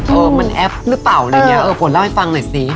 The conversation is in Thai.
เออมันแอปหรือเปล่าอะไรอย่างเงี้เออฝนเล่าให้ฟังหน่อยสิ